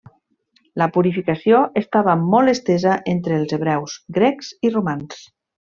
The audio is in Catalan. La purificació estava molt estesa entre els hebreus, grecs i romans.